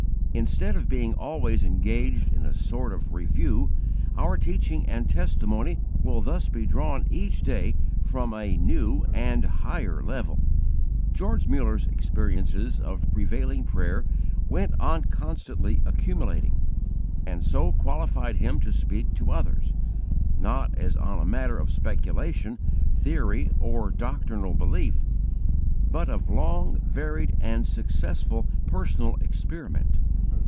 Instead of being always engaged in a sort of review, our teaching and testimony will thus be drawn each day from a new and higher level. George Muller's experiences of prevailing prayer went on constantly accumulating, and so qualified him to speak to others, not as on a matter of speculation, theory, or doctrinal belief, but of long, varied, and successful personal experiment.